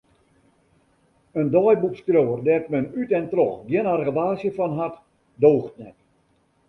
In deiboekskriuwer dêr't men út en troch gjin argewaasje fan hat, doocht net.